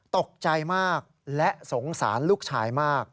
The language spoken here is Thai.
ตกใจมากและสงสารลูกชายมาก